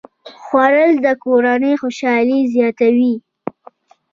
خوړل د کورنۍ خوشالي زیاته وي